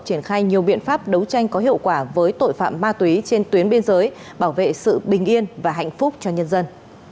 triển khai nhiều biện pháp đấu tranh có hiệu quả với tội phạm ma túy trên tuyến biên giới bảo vệ sự bình yên và hạnh phúc cho nhân dân